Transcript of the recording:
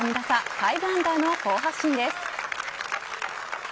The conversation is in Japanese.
５アンダーの好発進です。